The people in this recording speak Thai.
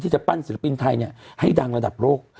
ที่จะปั้นศิลปินไทยเนี่ยให้ดังระดับโลก